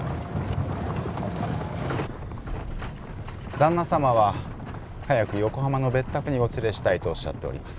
旦那様は早く横浜の別宅にお連れしたいとおっしゃっております。